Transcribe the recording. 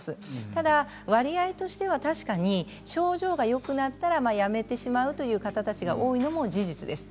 ただ割合としては確かに症状がよくなったらやめてしまうという方たちが多いのも事実です。